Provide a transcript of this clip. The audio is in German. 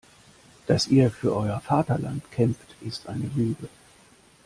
Dass ihr für euer Vaterland kämpft, ist eine Lüge.